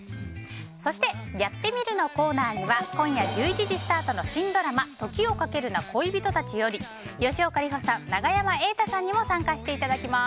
そして、「やってみる。」のコーナーには今夜１１時スタートの新ドラマ「時をかけるな、恋人たち」より吉岡里帆さん、永山瑛太さんにも参加していただきます。